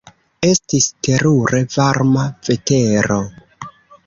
Estis terure varma vetero.